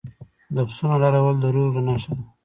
د پسونو حلالول د روغې نښه ده.